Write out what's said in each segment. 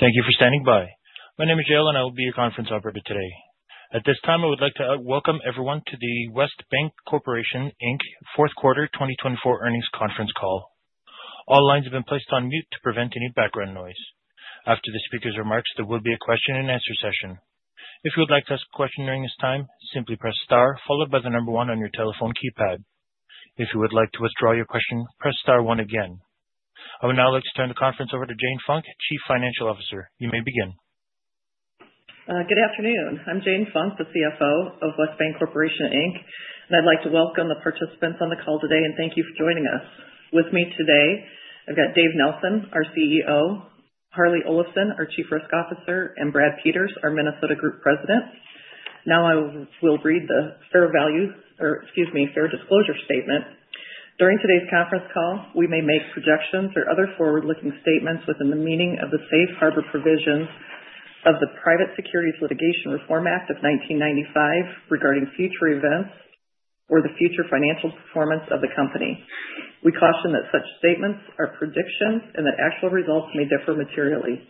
Thank you for standing by. My name is Jalen, and I will be your conference operator today. At this time, I would like to welcome everyone to the West Bancorporation Inc. Fourth Quarter 2024 earnings conference call. All lines have been placed on mute to prevent any background noise. After the speaker's remarks, there will be a question-and-answer session. If you would like to ask a question during this time, simply press star followed by the number one on your telephone keypad. If you would like to withdraw your question, press star one again. I will now like to turn the conference over to Jane Funk, Chief Financial Officer. You may begin. Good afternoon. I'm Jane Funk, the CFO of West Bancorporation Inc., and I'd like to welcome the participants on the call today and thank you for joining us. With me today, I've got Dave Nelson, our CEO, Harlee Olafson, our Chief Risk Officer, and Brad Peters, our Minnesota Group President. Now I will read the fair value, or, excuse me, fair disclosure statement. During today's conference call, we may make projections or other forward-looking statements within the meaning of the safe harbor provisions of the Private Securities Litigation Reform Act of 1995 regarding future events or the future financial performance of the company. We caution that such statements are predictions and that actual results may differ materially.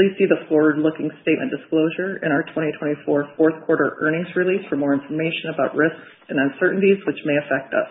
Please see the forward-looking statement disclosure in our 2024 Fourth Quarter earnings release for more information about risks and uncertainties which may affect us.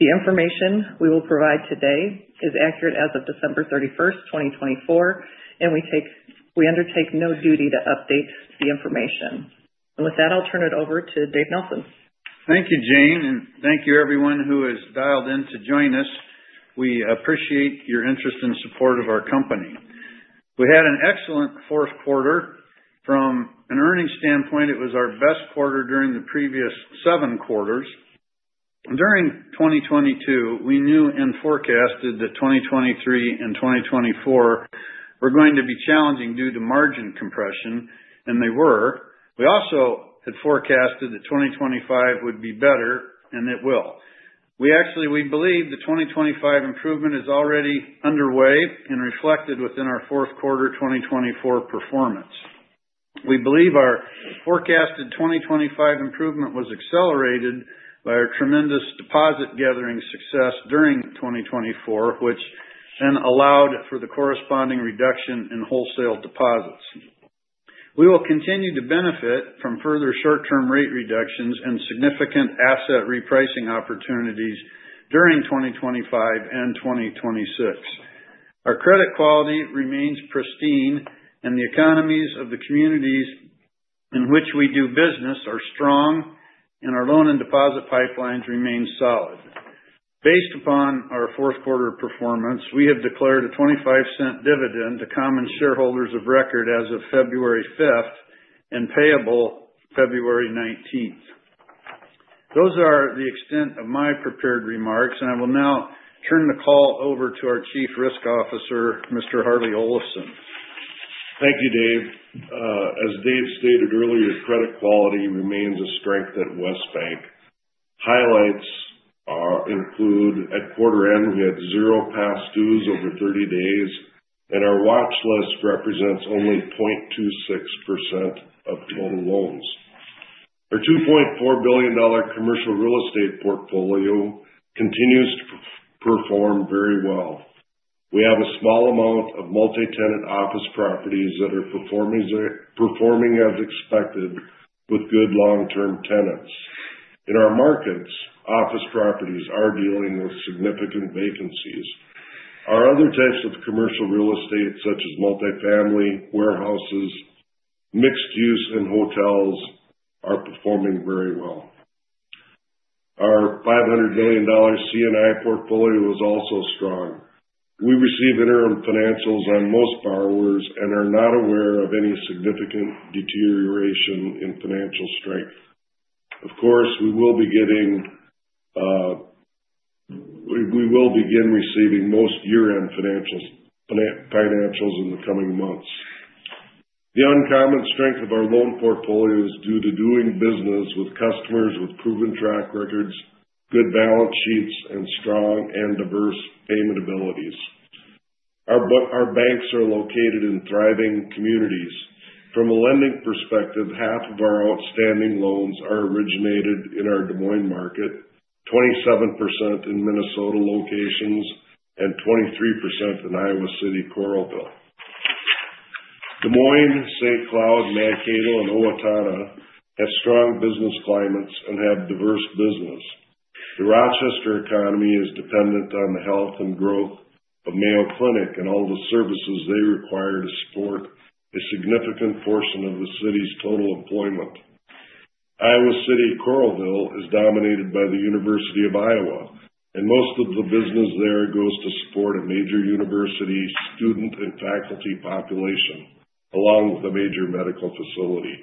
The information we will provide today is accurate as of December 31st, 2024, and we undertake no duty to update the information, and with that, I'll turn it over to Dave Nelson. Thank you, Jane, and thank you everyone who has dialed in to join us. We appreciate your interest and support of our company. We had an excellent fourth quarter. From an earnings standpoint, it was our best quarter during the previous seven quarters. During 2022, we knew and forecasted that 2023 and 2024 were going to be challenging due to margin compression, and they were. We also had forecasted that 2025 would be better, and it will. We actually believe the 2025 improvement is already underway and reflected within our Fourth Quarter 2024 performance. We believe our forecasted 2025 improvement was accelerated by our tremendous deposit gathering success during 2024, which then allowed for the corresponding reduction in wholesale deposits. We will continue to benefit from further short-term rate reductions and significant asset repricing opportunities during 2025 and 2026. Our credit quality remains pristine, and the economies of the communities in which we do business are strong, and our loan and deposit pipelines remain solid. Based upon our Fourth Quarter performance, we have declared a $0.25 dividend to common shareholders of record as of February 5th and payable February 19th. Those are the extent of my prepared remarks, and I will now turn the call over to our Chief Risk Officer, Mr. Harlee Olafson. Thank you, Dave. As Dave stated earlier, credit quality remains a strength at West Bank. Highlights include at quarter-end, we had zero past dues over 30 days, and our watch list represents only 0.26% of total loans. Our $2.4 billion commercial real estate portfolio continues to perform very well. We have a small amount of multi-tenant office properties that are performing as expected with good long-term tenants. In our markets, office properties are dealing with significant vacancies. Our other types of commercial real estate, such as multifamily, warehouses, mixed-use, and hotels, are performing very well. Our $500 million C&I portfolio is also strong. We receive interim financials on most borrowers and are not aware of any significant deterioration in financial strength. Of course, we will be getting, we will begin receiving most year-end financials in the coming months. The uncommon strength of our loan portfolio is due to doing business with customers with proven track records, good balance sheets, and strong and diverse payment abilities. Our banks are located in thriving communities. From a lending perspective, half of our outstanding loans are originated in our Des Moines market, 27% in Minnesota locations, and 23% in Iowa City, Coralville. Des Moines, St. Cloud, Mankato, and Owatonna have strong business climates and have diverse business. The Rochester economy is dependent on the health and growth of Mayo Clinic and all the services they require to support a significant portion of the city's total employment. Iowa City, Coralville, is dominated by the University of Iowa, and most of the business there goes to support a major university student and faculty population along with a major medical facility.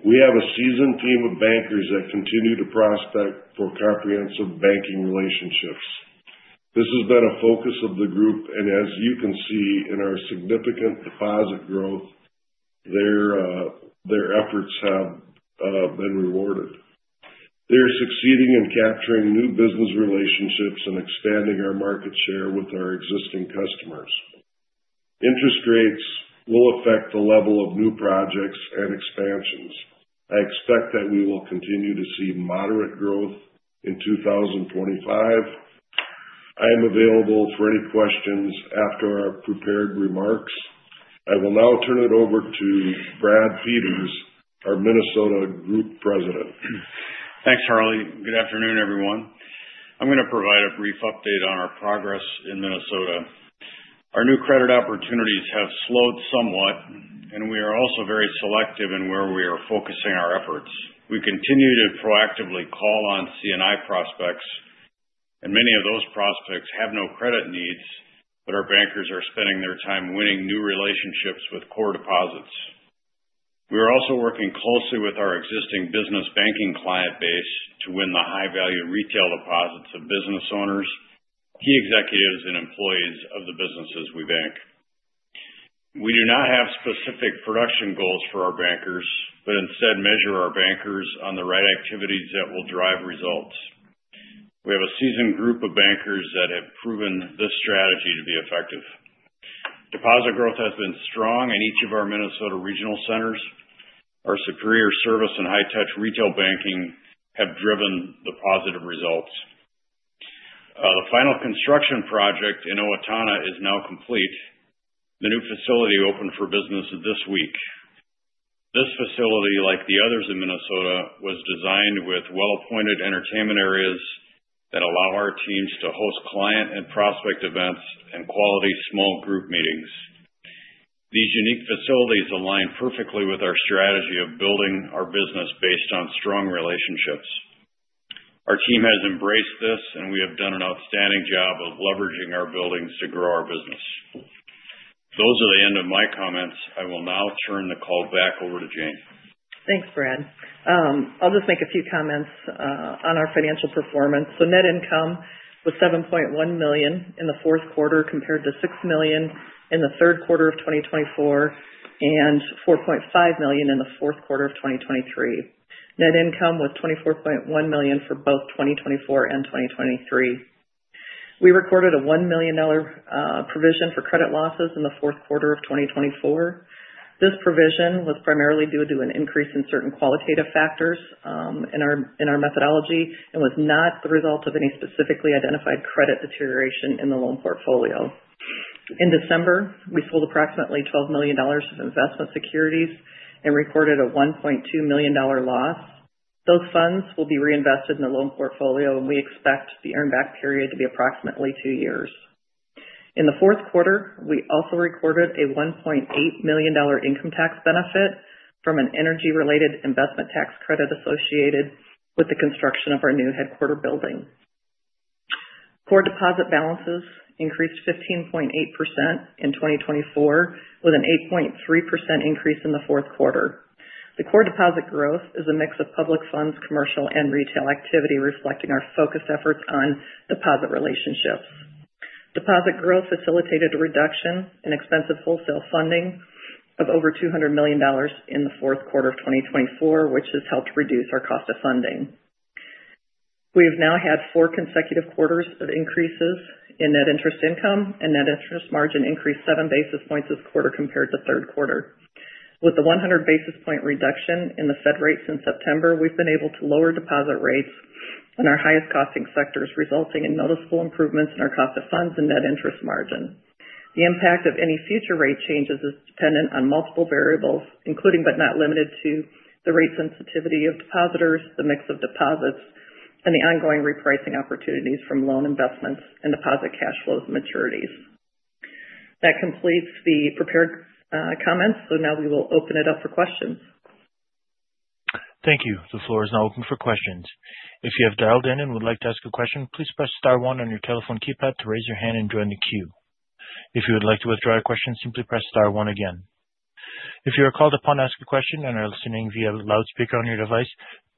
We have a seasoned team of bankers that continue to prospect for comprehensive banking relationships. This has been a focus of the group, and as you can see in our significant deposit growth, their efforts have been rewarded. They are succeeding in capturing new business relationships and expanding our market share with our existing customers. Interest rates will affect the level of new projects and expansions. I expect that we will continue to see moderate growth in 2025. I am available for any questions after our prepared remarks. I will now turn it over to Brad Peters, our Minnesota Group President. Thanks, Harlee. Good afternoon, everyone. I'm going to provide a brief update on our progress in Minnesota. Our new credit opportunities have slowed somewhat, and we are also very selective in where we are focusing our efforts. We continue to proactively call on C&I prospects, and many of those prospects have no credit needs, but our bankers are spending their time winning new relationships with core deposits. We are also working closely with our existing business banking client base to win the high-value retail deposits of business owners, key executives, and employees of the businesses we bank. We do not have specific production goals for our bankers, but instead measure our bankers on the right activities that will drive results. We have a seasoned group of bankers that have proven this strategy to be effective. Deposit growth has been strong, and each of our Minnesota regional centers, our superior service, and high-touch retail banking have driven the positive results. The final construction project in Owatonna is now complete. The new facility opened for business this week. This facility, like the others in Minnesota, was designed with well-appointed entertainment areas that allow our teams to host client and prospect events and quality small group meetings. These unique facilities align perfectly with our strategy of building our business based on strong relationships. Our team has embraced this, and we have done an outstanding job of leveraging our buildings to grow our business. Those are the end of my comments. I will now turn the call back over to Jane. Thanks, Brad. I'll just make a few comments on our financial performance. So net income was $7.1 million in the fourth quarter compared to $6 million in the third quarter of 2024 and $4.5 million in the fourth quarter of 2023. Net income was $24.1 million for both 2024 and 2023. We recorded a $1 million provision for credit losses in the fourth quarter of 2024. This provision was primarily due to an increase in certain qualitative factors in our methodology and was not the result of any specifically identified credit deterioration in the loan portfolio. In December, we sold approximately $12 million of investment securities and recorded a $1.2 million loss. Those funds will be reinvested in the loan portfolio, and we expect the earnback period to be approximately two years. In the fourth quarter, we also recorded a $1.8 million income tax benefit from an energy-related investment tax credit associated with the construction of our new headquarters building. Core deposit balances increased 15.8% in 2024, with an 8.3% increase in the fourth quarter. The core deposit growth is a mix of public funds, commercial, and retail activity reflecting our focused efforts on deposit relationships. Deposit growth facilitated a reduction in expensive wholesale funding of over $200 million in the fourth quarter of 2024, which has helped reduce our cost of funding. We have now had four consecutive quarters of increases in net interest income, and net interest margin increased seven basis points this quarter compared to third quarter. With the 100 basis point reduction in the Fed rates in September, we've been able to lower deposit rates in our highest costing sectors, resulting in noticeable improvements in our cost of funds and net interest margin. The impact of any future rate changes is dependent on multiple variables, including but not limited to the rate sensitivity of depositors, the mix of deposits, and the ongoing repricing opportunities from loan investments and deposit cash flows and maturities. That completes the prepared comments, so now we will open it up for questions. Thank you. The floor is now open for questions. If you have dialed in and would like to ask a question, please press star one on your telephone keypad to raise your hand and join the queue. If you would like to withdraw your question, simply press star one again. If you are called upon to ask a question and are listening via loudspeaker on your device,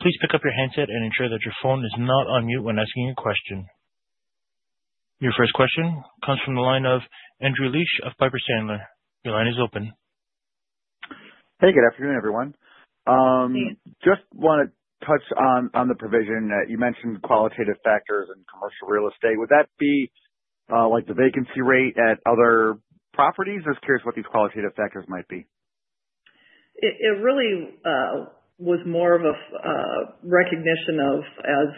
please pick up your handset and ensure that your phone is not on mute when asking a question. Your first question comes from the line of Andrew Liesch of Piper Sandler. Your line is open. Hey, good afternoon, everyone. Just want to touch on the provision that you mentioned qualitative factors and commercial real estate. Would that be like the vacancy rate at other properties? Just curious what these qualitative factors might be? It really was more of a recognition of, as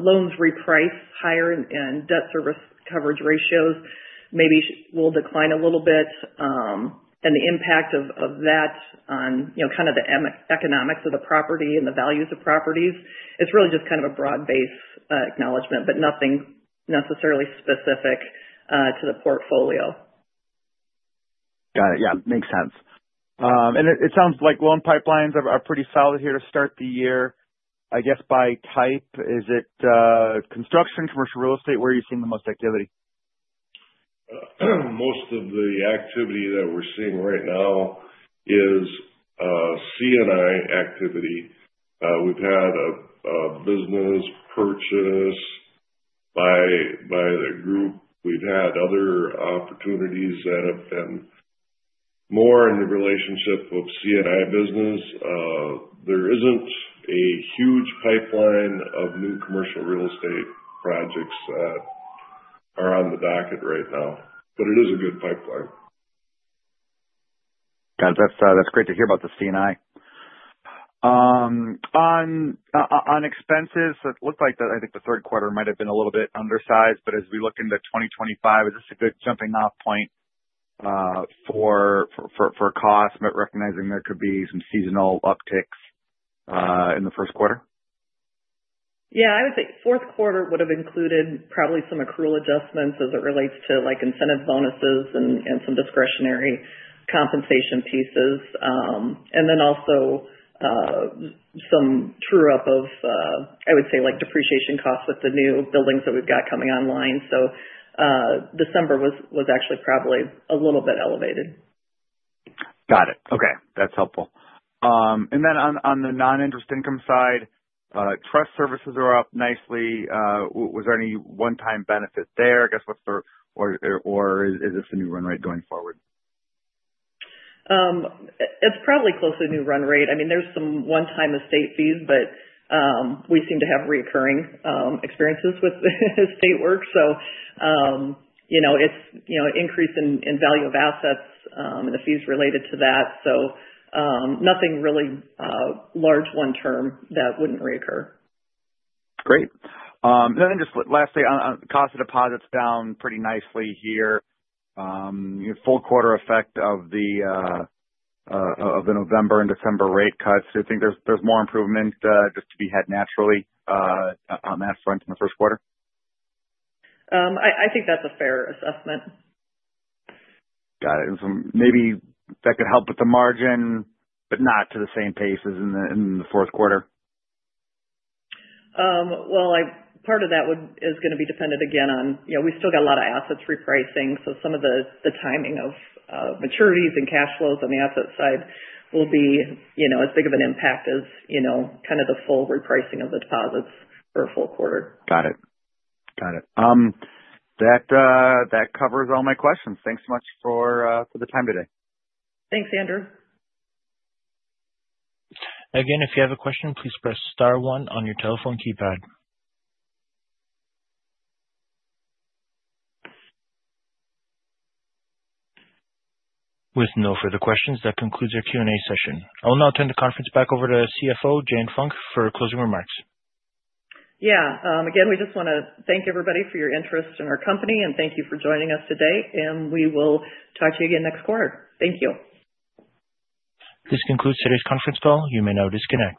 loans reprice higher and debt service coverage ratios maybe will decline a little bit, and the impact of that on kind of the economics of the property and the values of properties. It's really just kind of a broad-based acknowledgment, but nothing necessarily specific to the portfolio. Got it. Yeah, makes sense. And it sounds like loan pipelines are pretty solid here to start the year. I guess by type, is it construction, commercial real estate? Where are you seeing the most activity? Most of the activity that we're seeing right now is C&I activity. We've had a business purchase by the group. We've had other opportunities that have been more in the relationship of C&I business. There isn't a huge pipeline of new commercial real estate projects that are on the docket right now, but it is a good pipeline. Got it. That's great to hear about the C&I. On expenses, it looked like I think the third quarter might have been a little bit undersized, but as we look into 2025, is this a good jumping-off point for cost, recognizing there could be some seasonal upticks in the first quarter? Yeah, I would say fourth quarter would have included probably some accrual adjustments as it relates to incentive bonuses and some discretionary compensation pieces, and then also some true-up of, I would say, depreciation costs with the new buildings that we've got coming online. So December was actually probably a little bit elevated. Got it. Okay. That's helpful, and then on the non-interest income side, trust services are up nicely. Was there any one-time benefit there? I guess, or is this a new run rate going forward? It's probably close to a new run rate. I mean, there's some one-time estate fees, but we seem to have recurring experiences with estate work. So it's an increase in value of assets and the fees related to that. So nothing really large one-time that wouldn't recur. Great. And then just lastly, cost of deposits down pretty nicely here. Full quarter effect of the November and December rate cuts, do you think there's more improvement just to be had naturally on that front in the first quarter? I think that's a fair assessment. Got it, and maybe that could help with the margin, but not to the same pace as in the fourth quarter. Part of that is going to be dependent again on we still got a lot of assets repricing, so some of the timing of maturities and cash flows on the asset side will be as big of an impact as kind of the full repricing of the deposits for a full quarter. Got it. Got it. That covers all my questions. Thanks so much for the time today. Thanks, Andrew. Again, if you have a question, please press star one on your telephone keypad. With no further questions, that concludes our Q&A session. I will now turn the conference back over to CFO Jane Funk for closing remarks. Yeah. Again, we just want to thank everybody for your interest in our company and thank you for joining us today. And we will talk to you again next quarter. Thank you. This concludes today's conference call. You may now disconnect.